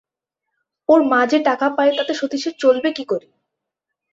ওর মা যে টাকা পায় তাতে সতীশের চলবে কী করে।